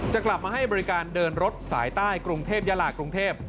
กลับมาให้บริการเดินรถสายใต้กรุงเทพยาลากรุงเทพ